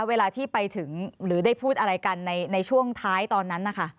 เวลาที่ได้พูดอะไรกันในช่วงท้ายตอนนั้น